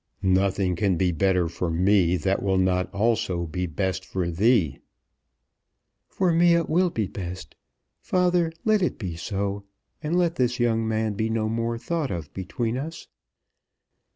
"Nothing can be better for me that will not also be best for thee." "For me it will be best. Father, let it be so, and let this young man be no more thought of between us."